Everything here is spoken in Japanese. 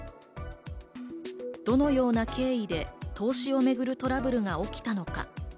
どのような経緯で投資をめぐるトラブルが起きたのか。